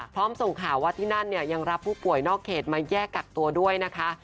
ส่งข่าวว่าที่นั่นเนี่ยยังรับผู้ป่วยนอกเขตมาแยกกักตัวด้วยนะคะ